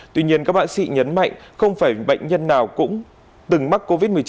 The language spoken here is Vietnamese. tuy nhiên các bác sĩ nhấn mạnh không phải bệnh nhân nào cũng từng mắc covid một mươi chín